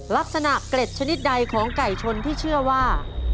เกล็ดชนิดใดของไก่ชนที่เชื่อว่า